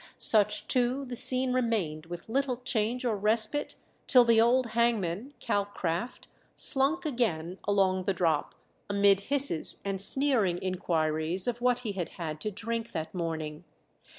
Such too the scene remained with little change or respite till the old hangman (Calcraft) slunk again along the drop, amid hisses and sneering inquiries of what he had had to drink that morning.